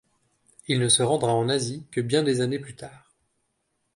Il ne se rendra en Asie que bien des années plus tard.